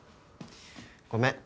ごめん。